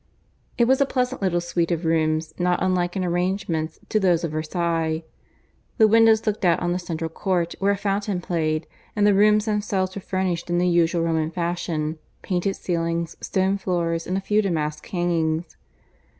It was a pleasant little suite of rooms, not unlike in arrangements to those of Versailles. The windows looked out on the central court, where a fountain played, and the rooms themselves were furnished in the usual Roman fashion painted ceilings, stone floors, and a few damask hangings.